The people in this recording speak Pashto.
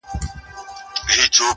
ښه عمل د لاري مل ضرب المثل دی!!